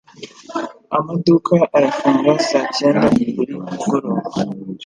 Amaduka arafunga saa cyenda buri mugoroba.